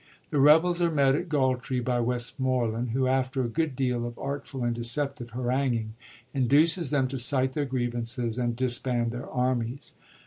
The rebels are met at Gaultree by Westmoreland, who, after a good deal of artful and deceptive haranguing, induces them to cite their griev ances and disband their armies.